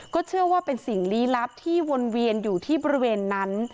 เชื่อว่าเป็นสิ่งลี้ลับที่วนเวียนอยู่ที่บริเวณนั้น